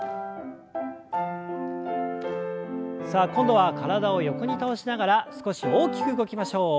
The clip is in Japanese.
さあ今度は体を横に倒しながら少し大きく動きましょう。